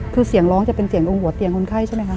คือเสียงร้องจะเป็นเสียงตรงหัวเตียงคนไข้ใช่ไหมคะ